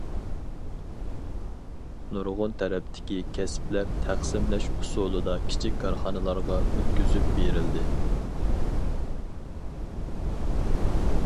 نۇرغۇن تەرەپتىكى كەسىپلەر تەقسىملەش ئۇسۇلىدا كىچىك كارخانىلارغا ئۆتكۈزۈپ بېرىلدى.